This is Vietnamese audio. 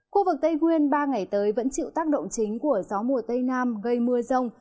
khu vực tây nguyên ba ngày tới vẫn chịu tác động chính của gió mùa tây nam gây mưa rông